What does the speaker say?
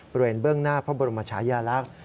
บริเวณเบื้องหน้าพระบรมชายาลักษณ์